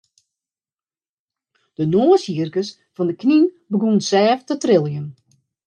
De noashierkes fan de knyn begûnen sêft te triljen.